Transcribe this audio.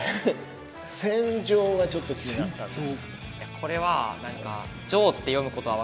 「せんじょう」がちょっと気になったんです。